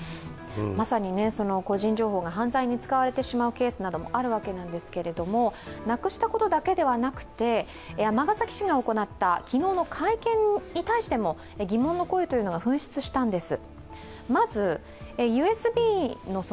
まさに個人情報が犯罪に使われてしまうケースなどもあるわけですけれども、なくしたことだけではなくて尼崎市が行った昨日の会見に対しても疑問の声が噴出したんです。